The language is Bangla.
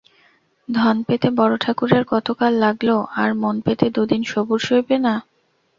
ধন পেতে বড়োঠাকুরের কত কাল লাগল আর মন পেতে দুদিন সবুর সইবে না?